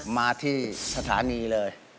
มาที่สถานีเลย